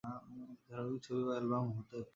ধারাবাহিক ছবি বা অ্যালবাম হতে পারে।